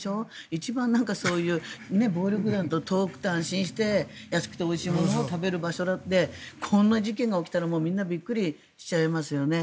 一番、そういう暴力団と遠くて安心して安くておいしいものを食べる場所でこんな事件が起きたらみんなびっくりしちゃいますよね。